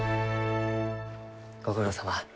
ご苦労さま。